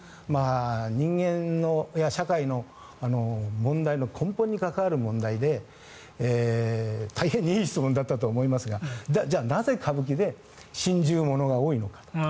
人間、社会の問題の根本に関わる問題で大変にいい質問だったと思いますがじゃあ、なぜ歌舞伎で心中物が多いのかと。